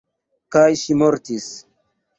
Kaj ŝi mortis.